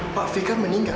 apa pak fikar meninggal